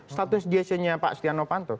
status dc nya pak setia novanto